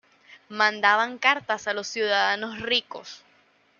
Mandaban cartas a los ciudadanos ricos.